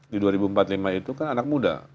di dua ribu empat puluh lima itu kan anak muda